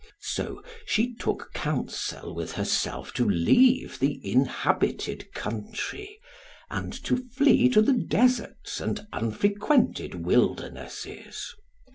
So she took counsel with herself to leave the inhabited country, and to flee to the deserts and unfrequented wildernesses.